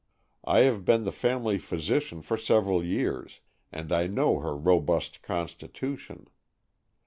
I have been the family physician for several years, and I know her robust constitution.